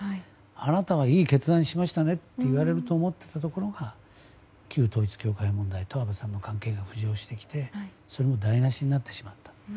あなたはいい決断しましたねって言われると思っていたところが旧統一教会問題と安倍さんの関係が浮上して台無しになってしまったと。